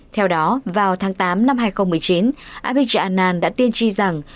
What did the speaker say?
theo đó vào tháng tám năm hai nghìn một mươi chín abhigya anand đã tiên tri rằng